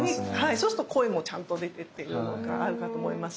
そうすると声もちゃんと出てっていうのがあるかと思います。